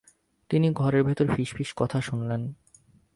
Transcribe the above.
তিনি ঘরের ভেতর ফিসফিস কথা শুনলেন।